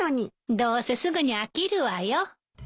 どうせすぐに飽きるわよ。